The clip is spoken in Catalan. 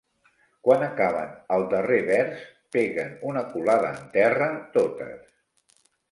Quan acaben el darrer vers, peguen una culada en terra totes.